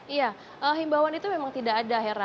iya himbauan itu memang tidak ada hera